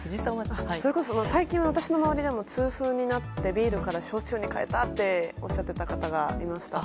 それこそ最近私の周りでも痛風になってビールから焼酎に変えたっておっしゃっていた方がいました。